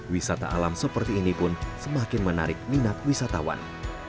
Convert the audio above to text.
wisata alam seperti ini pun semakin menarik minat wisatawan